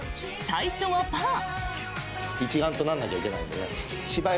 最初はパー。